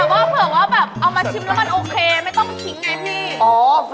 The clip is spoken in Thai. เอามาชิมแล้วมันโอเคไม่ต้องทิ้งไงพี่